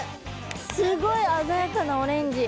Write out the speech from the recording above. すごいあざやかなオレンジ。